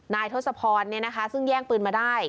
ทศพรซึ่งแย่งปืนมาได้